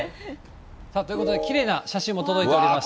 ということできれいな写真も届いておりまして。